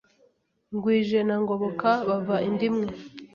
Ngwije na ngoboka bava inda imwe